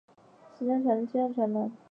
十项全能七项全能